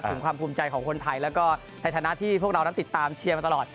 ถึงความภูมิใจของคนไทยแล้วก็ในฐานะที่พวกเรานั้นติดตามเชียร์มาตลอด